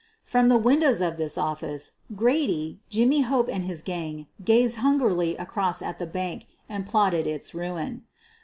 ' From the windows of this office, Grady, Jimmy Hope, and his gang gazed hungrily across at the bank and plotted its ruin.